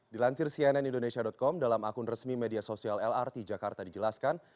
dilansir cnn indonesia com dalam akun resmi media sosial lrt jakarta dijelaskan